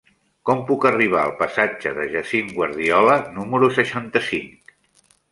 Com puc arribar al passatge de Jacint Guardiola número seixanta-cinc?